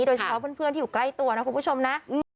โดยเฉพาะเพื่อนที่อยู่ใกล้ตัวนะคุณผู้ชมนะ